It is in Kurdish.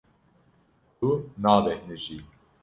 Tu nabêhnijî.